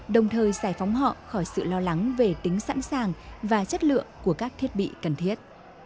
đồng thời giải phóng họ khỏi sự lo lắng về tính sẵn sàng và chất lượng của các thiết bị cần thiết